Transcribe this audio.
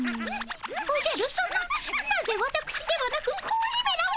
おじゃるさまなぜわたくしではなく子鬼めらを？